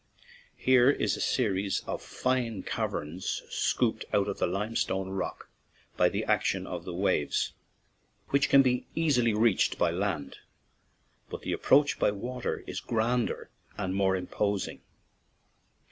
Here is a series of fine caverns scooped out of the limestone rock by the action of the waves, which can be easily reached by land, but the approach by water is grander and more imposing.